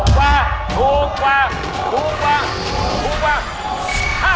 ถูกกว่า